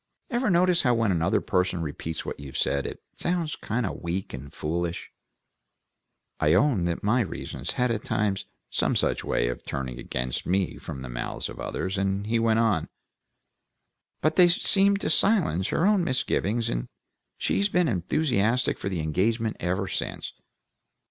Ever notice, how when another person repeats what you've said, it sounds kind of weak and foolish?" I owned that my reasons had at times some such way of turning against me from the mouths of others, and he went on: "But they seemed to silence her own misgivings, and she's been enthusiastic for the engagement ever since.